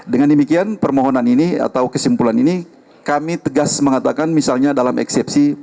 dengan demikian permohonan ini atau kesimpulan ini kami tegas mengatakan misalnya dalam eksepsi